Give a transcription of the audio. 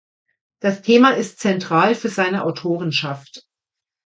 Das Thema ist zentral für seine Autorenschaft.